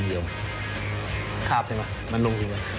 ก็คือคุณอันนบสิงต์โตทองนะครับ